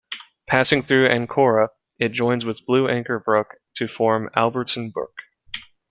Passing through Ancora, it joins with Blue Anchor Brook to form Albertson Brook.